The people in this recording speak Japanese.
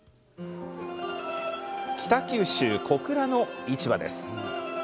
北九州・小倉の市場です。